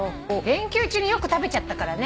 連休中によく食べちゃったからね。